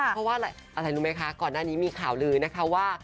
เพราะว่าอะไรรู้ไหมคะก่อนหน้านี้มีข่าวลือนะคะว่า